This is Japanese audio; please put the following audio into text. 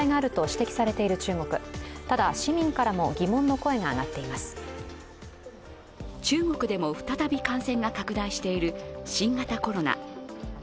血もでも再び感染が拡大している新型コロナ。